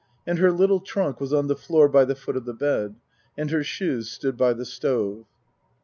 And her little trunk was on the floor by the foot of the bed. And her shoes stood by the stove.